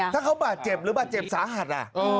ถ้าเขาบาดเจ็บหรือบาดเจ็บสาหัส